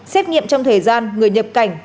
xếp nghiệm trong thời gian người nhập cảnh